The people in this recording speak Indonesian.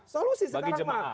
solusi sekarang mah